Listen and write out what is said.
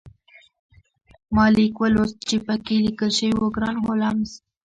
ما لیک ولوست چې پکې لیکل شوي وو ګران هولمز